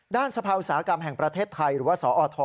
สภาอุตสาหกรรมแห่งประเทศไทยหรือว่าสอท